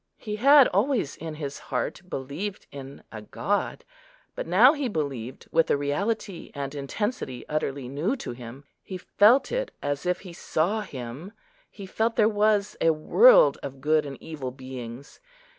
He had always in his heart believed in a God, but he now believed with a reality and intensity utterly new to him. He felt it as if he saw Him; he felt there was a world of good and evil beings.